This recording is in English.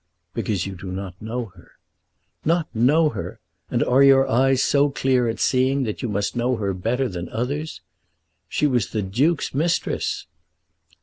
"Because you do not know her." "Not know her! And are your eyes so clear at seeing that you must know her better than others? She was the Duke's mistress."